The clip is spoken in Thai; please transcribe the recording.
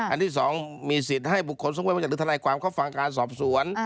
อันที่สองมีสิทธิ์ให้บุคคลส่งไว้วิทยาลัยความเข้าฟังการสอบสวน